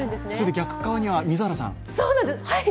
逆側には水原さん。